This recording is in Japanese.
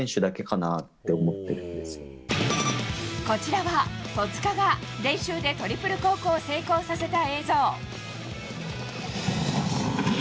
こちらは戸塚が練習でトリプルコークを成功させた映像。